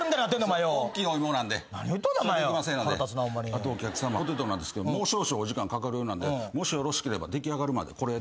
あとお客さまポテトなんですけどもう少々お時間かかるんでもしよろしければ出来上がるまでこれどうぞ。